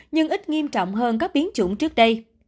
nhưng ít nghiêm trọng hơn các biến chủng trước đây